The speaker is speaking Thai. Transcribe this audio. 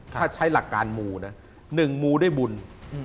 ถ้าใช้หลักการมูนะ๑มูด้วยบุญ